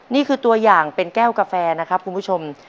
นี่คือตัวอย่างเป็นแก้วกาแฟนะครับคุณผู้ชม